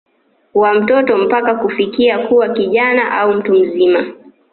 wa mtoto mpaka kufikia kuwa kijana au Mtu mzima